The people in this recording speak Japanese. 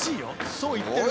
そう言ってる。